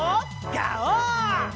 ガオー！